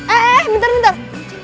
eh eh eh bentar bentar